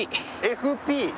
ＦＰ？